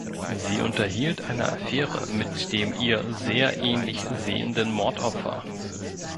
Sie unterhielt eine Affäre mit dem ihr sehr ähnlich sehenden Mordopfer.